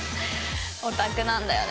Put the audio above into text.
オタクなんだよね。